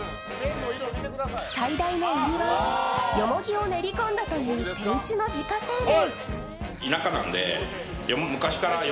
最大のウリはよもぎを練り込んだという手打ちの自家製麺。